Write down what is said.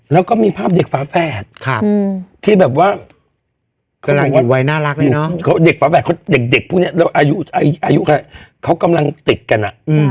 แล้วก็มีภาพเด็กฟ้าแฝดที่แบบว่าเด็กฟ้าแฝดเด็กพวกนี้อายุอะไรเขากำลังติดกัน